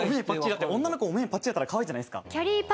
だって女の子もお目目パッチリだったら可愛いじゃないですか。